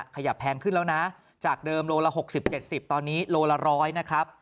แพงขึ้นแล้วนะจากเดิมโลละ๖๐๗๐ตอนนี้โลละ๑๐๐นะครับ